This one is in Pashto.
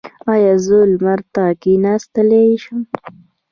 ایا زه لمر ته کیناستلی شم؟